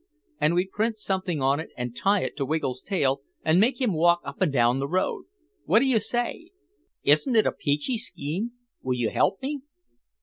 And we'd print something on it and tie it to Wiggle's tail and make him walk up and down the road. What do you say? Isn't it a peachy scheme? Will you help me?"